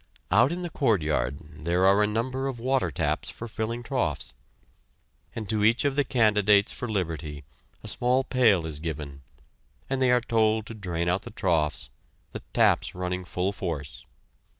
Out in the courtyard there are a number of water taps for filling troughs, and to each of the candidates for liberty a small pail is given, and they are told to drain out the troughs, the taps running full force.